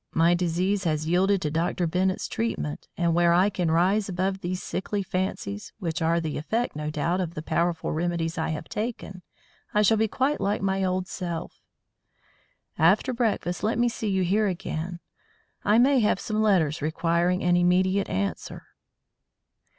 My disease has yielded to Dr. Bennett's treatment, and when I can rise above these sickly fancies, which are the effect, no doubt, of the powerful remedies I have taken, I shall be quite like my old self. After breakfast let me see you here again. I may have some letters requiring an immediate answer."